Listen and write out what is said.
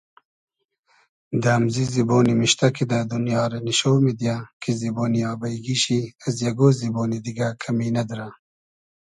دۂ امزی زیبۉ نیمیشتۂ کیدۂ دونیا رۂ نیشۉ میدیۂ کی زیبۉنی آبݷ گی شی از یئگۉ زیبۉنی دیگۂ کئمی نئدرۂ